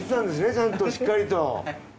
ちゃんとしっかりと。